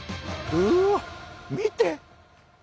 うわ見て！